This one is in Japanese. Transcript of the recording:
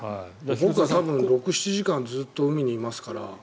僕はたぶん６７時間ずっと海にいますから。